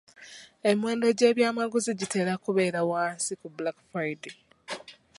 Emiwendo gy'ebyamaguzi gitera kubeera wansi ku black Friday.